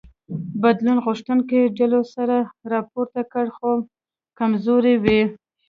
بدلون غوښتونکو ډلو سر راپورته کړ خو کمزوري وې.